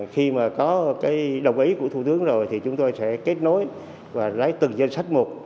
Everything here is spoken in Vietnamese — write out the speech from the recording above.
khi mà có cái đồng ý của thủ tướng rồi thì chúng tôi sẽ kết nối và lấy từng danh sách một